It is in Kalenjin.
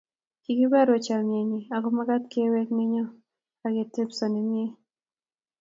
Kikoborwech chamenyi akomakaat kewek neyo ak atbset nemie